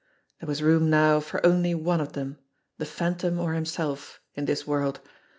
There was room now for only one of them the Phantom or himself in this world.